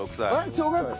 小学生？